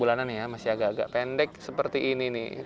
bulanan ya masih agak agak pendek seperti ini nih